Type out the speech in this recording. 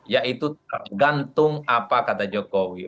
yaitu tergantung apa kata jokowi